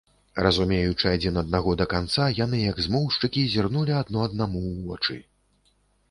Разумеючы адзін аднаго да канца, яны, як змоўшчыкі, зірнулі адно аднаму ў вочы.